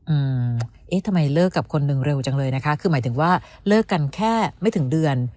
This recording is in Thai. อืมเอ๊ะทำไมเลิกกับคนหนึ่งเร็วจังเลยนะคะคือหมายถึงว่าเลิกกันแค่ไม่ถึงเดือน